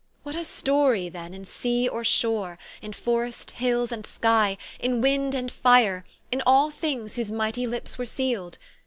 What a story, then, in sea or shore, in forest, hills, and sky, in wind and fire, in all things whose mighty lips were sealed